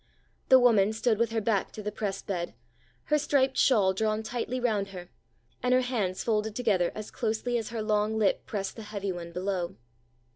The woman stood with her back to the press bed, her striped shawl drawn tightly round her, and her hands folded together as closely as her long lip pressed the heavy one below.